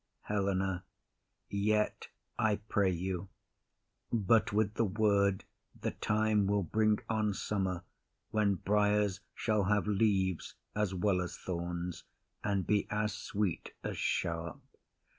HELENA. Yet, I pray you; But with the word the time will bring on summer, When briers shall have leaves as well as thorns, And be as sweet as sharp.